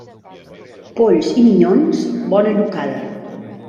Polls i minyons, bona llocada.